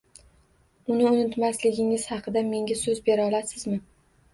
Uni unutmasligingiz haqida menga so'z bera olasizmi?